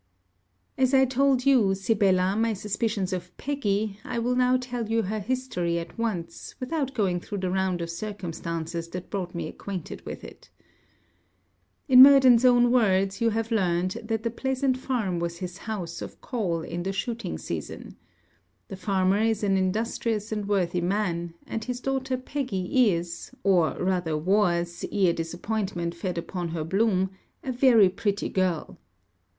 As I told you, Sibella, my suspicions of Peggy, I will now tell you her history at once, without going through the round of circumstances that brought me acquainted with it. In Murden's own words, you have learned, that the pleasant farm was his house of call in the shooting season. The farmer is an industrious and worthy man; and his daughter Peggy is, or rather was, ere disappointment fed upon her bloom, a very pretty girl.